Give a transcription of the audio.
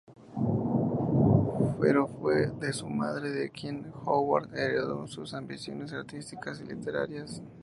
Pero fue de su madre de quien Howard heredó sus ambiciones artísticas y literarias.